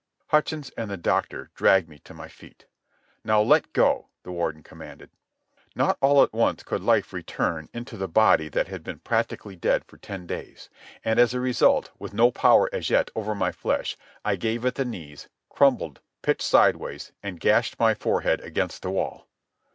Hutchins and the doctor dragged me to my feet. "Now let go!" the Warden commanded. Not all at once could life return into the body that had been practically dead for ten days, and as a result, with no power as yet over my flesh, I gave at the knees, crumpled, pitched sidewise, and gashed my forehead against the wall.